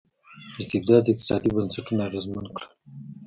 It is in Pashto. استبداد اقتصادي بنسټونه اغېزمن کړل.